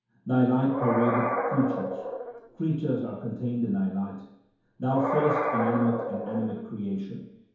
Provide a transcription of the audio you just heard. Thy light pervadeth creatures ; creatures are contained in Thy light ; Thou fillest inanimate and animate creation.